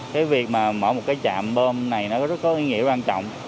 cái việc mà mở một cái chạm bơm này nó rất có ý nghĩa quan trọng